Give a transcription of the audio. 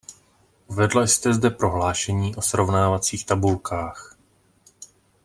Uvedla jste zde prohlášení o srovnávacích tabulkách.